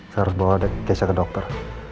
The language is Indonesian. saya harus bawa geser ke dokter